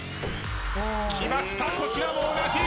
きましたこちらも同じ。